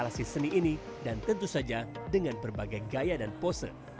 seni ini dan tentu saja dengan berbagai gaya dan pose